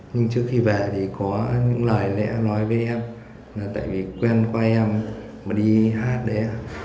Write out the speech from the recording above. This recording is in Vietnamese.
nhưng trước khi về thì có những lời lẽ nói với em là tại vì quen em mà đi hát đấy ạ